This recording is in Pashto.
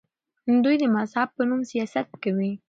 دوی د مذهب په نوم سیاست کوي.